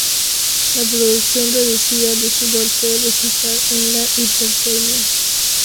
La producción reducida de sudor puede resultar en la hipertermia.